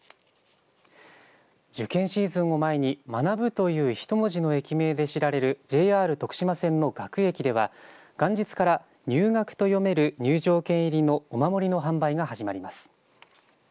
受験シーズンを前に学というひと文字の駅名で知られるＪＲ徳島線の学駅では、元日から入学と読める入場券入りのお守りの販売が始まります。